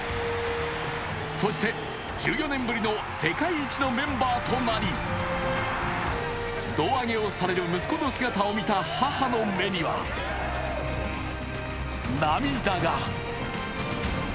そして１４年ぶりの世界一のメンバーとなり胴上げをされる息子の姿を見た母の目には涙が。